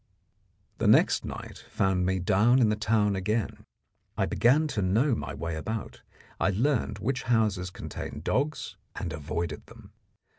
The next night found me down in the town again. I began to know my way about. I learned which houses contained dogs, and avoided them.